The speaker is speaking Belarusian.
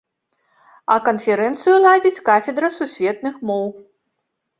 А канферэнцыю ладзіць кафедра сусветных моў.